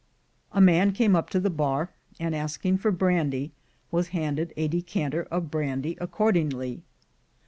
(A man came up to the bar, and asking for brandy, was handed a decanter of brandy accordingly.